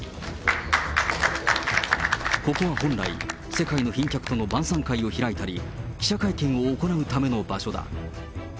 ここは本来、世界の賓客との晩さん会を開いたり、記者会見を行うための場所だ。